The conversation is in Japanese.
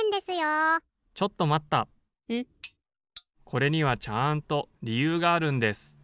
・これにはちゃんとりゆうがあるんです。